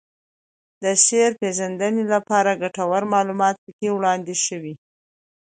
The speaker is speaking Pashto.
د شعر پېژندنې لپاره ګټور معلومات پکې وړاندې شوي